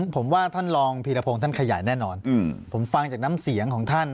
ผมว่าท่านรองพีรพงศ์ท่านขยายแน่นอนผมฟังจากน้ำเสียงของท่าน